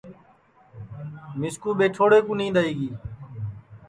مِسکُو ٻیٹھوڑے کُو نِینٚدؔ آئی گی